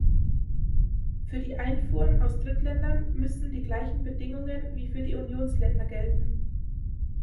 Für die Einfuhren aus Drittländern müssen die gleichen Bedingungen wie für die Unionsländer gelten.